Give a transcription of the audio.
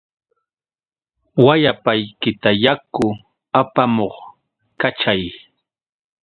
Wayapaykita yaku apamuq kachay.